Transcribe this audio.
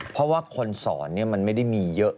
เพราะว่าคนสอนมันไม่ได้มีเยอะ